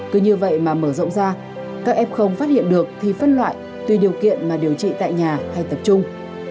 cứ như vậy mà mở rộng ra các em không phát hiện được thì phân loại tùy điều kiện mà điều trị tại nhà hay tập trung